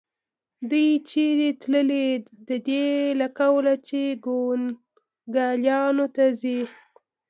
دوی چېرې تلې؟ د دې له قوله چې کونګلیانو ته ځي.